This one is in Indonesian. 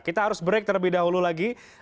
kita harus break terlebih dahulu lagi